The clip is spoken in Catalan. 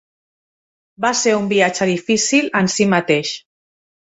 Va ser un viatge difícil en si mateix.